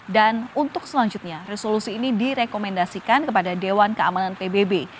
dan untuk selanjutnya resolusi ini direkomendasikan kepada dewan keamanan pbb